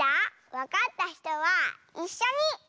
わかったひとはいっしょに！